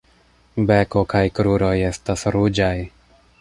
Beko kaj kruroj estas ruĝaj.